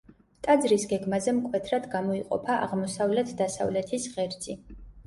ტაძრის გეგმაზე მკვეთრად გამოიყოფა აღმოსავლეთ-დასავლეთის ღერძი.